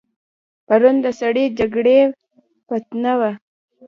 پرون د سړې جګړې فتنه وه.